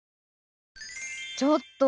ちょっと！